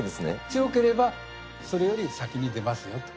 強ければそれより先に出ますよと。